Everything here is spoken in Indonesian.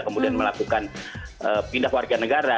kemudian melakukan pindah warga negara